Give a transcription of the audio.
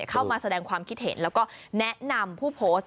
เข้ามาแสดงความคิดเห็นแล้วก็แนะนำผู้โพสต์